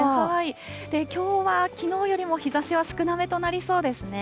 きょうは、きのうよりも日ざしは少なめとなりそうですね。